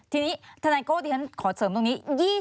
ทีนี้ทนายโก้ที่ฉันขอเสริมตรงนี้